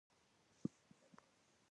په کلیوالي لارو مزل ډېر خوندور دی.